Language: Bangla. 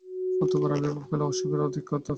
অতঃপর আবির্ভাব হইল অশুভের অধিকর্তার।